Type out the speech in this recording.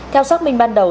theo xác minh ban đầu